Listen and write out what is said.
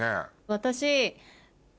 私。